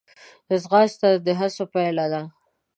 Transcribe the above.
ځغاسته د هڅو پایله ده